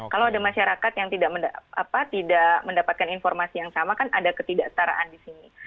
kalau ada masyarakat yang tidak mendapatkan informasi yang sama kan ada ketidaktaraan di sini